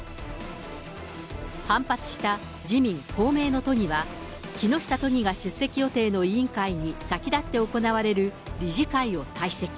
反発した自民、公明の都議は、木下都議が出席予定の委員会に先立って行われる理事会を退席。